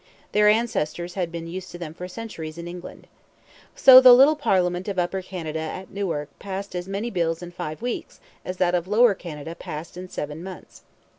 Their ancestors had been used to them for centuries in England. So the little parliament of Upper Canada at Newark passed as many bills in five weeks as that of Lower Canada passed in seven months.